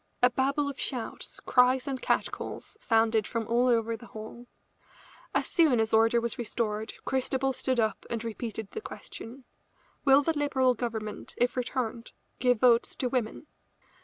A babel of shouts, cries and catcalls sounded from all over the hall. As soon as order was restored Christabel stood up and repeated the question: "Will the Liberal Government, if returned, give votes to women?"